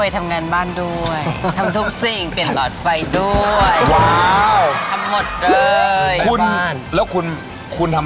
ทำถึงเหรอเป็มันยังไงอะ